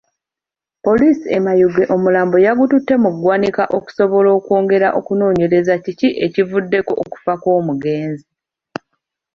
Poliisi e Mayuge omulambo yagututte mu ggwanika okusobola okwongera okunoonyereza kiki ekyavuddeko okufa kw'omugenzi.